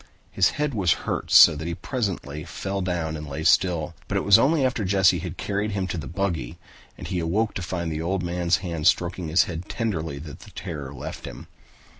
His head hurt so that presently he fell down and lay still, but it was only after Jesse had carried him to the buggy and he awoke to find the old man's hand stroking his head tenderly that the terror left him.